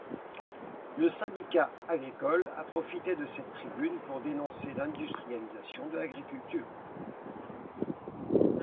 Le syndicat agricole a profité de cette tribune pour dénoncer l'industrialisation de l'agriculture.